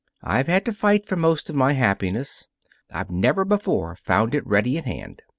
I've had to fight for most of my happiness. I've never before found it ready at hand.